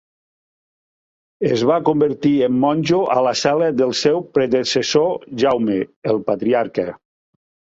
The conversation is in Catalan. Es va convertir en monjo a la cel·la del seu predecessor Jaume, el patriarca.